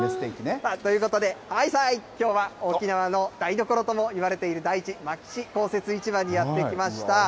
ということで、はいさい、きょうは沖縄の台所ともいわれている第一牧志公設市場にやって来ました。